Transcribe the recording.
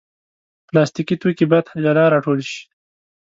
پلاستيکي توکي باید جلا راټول شي.